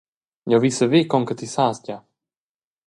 Jeu vi saver con che ti sas gia!